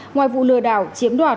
ngoài vụ lừa đảo chiếm đoạt